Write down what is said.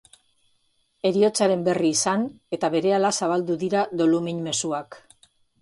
Heriotzaren berri izan eta berehala zabaldu dira dolumin mezuak.